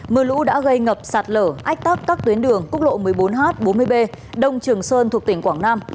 mưa lũ đã gây ngập sạt lở ách tắt các tuyến đường quốc lộ một mươi bốn h bốn mươi b đông trường sơn thuộc tỉnh quảng nam